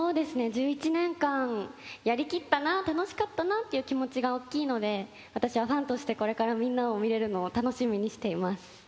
１１年間やりきったな楽しかったなという気持ちが大きいので私はファンとしてこれからをみれるのを楽しみにしています。